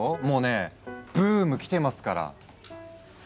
もうねブーム来てますから。